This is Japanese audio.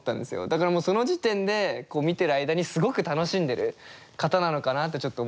だからもうその時点で見てる間にすごく楽しんでる方なのかなってちょっと思いましたね。